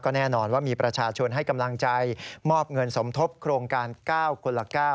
แน่นอนว่ามีประชาชนให้กำลังใจมอบเงินสมทบโครงการ๙คนละ๙